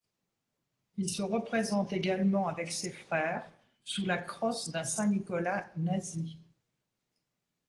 Il se représente également avec ses frères sous la crosse d’un saint Nicolas nazi.